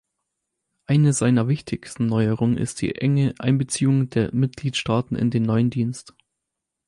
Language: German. Eine seiner wichtigsten Neuerungen ist die enge Einbeziehung der Mitgliedstaaten in den neuen Dienst.